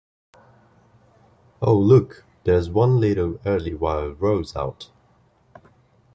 Oh, look, there’s one little early wild rose out!